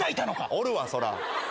おるわそら。